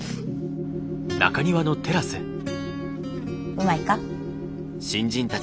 うまいか？